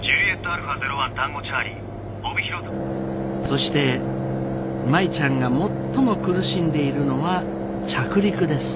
そして舞ちゃんが最も苦しんでいるのは着陸です。